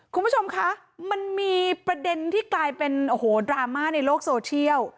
คุณผู้ชมคะมันมีประเด็นที่กลายเป็นโอ้โหดราม่าในโลกโซเชียล